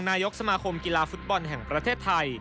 นายกสมาคมกีฬาฟุตบอลแห่งประเทศไทย